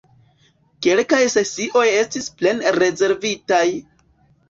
Kelkaj sesioj estis plene rezervitaj!